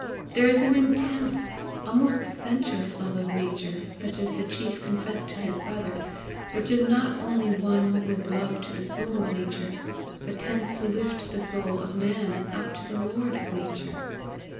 There is an intense, almost sensuous love of Nature, such as the chief confessed to his brother, which is not only one with love to the soul of Nature, but tends to lift the soul of man up to the lord of Nature.